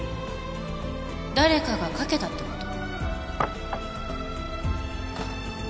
誰かがかけたってこと？